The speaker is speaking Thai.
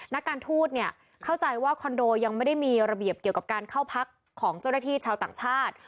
นักการทูตเนี่ยเข้าใจว่าคอนโดยังไม่ได้มีระเบียบเกี่ยวกับการเข้าพักของเจ้าหน้าที่ชาวต่างชาติ